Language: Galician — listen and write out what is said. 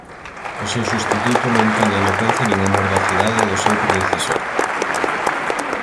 O seu substituto non tiña a elocuencia nin a mordacidade do seu predecesor.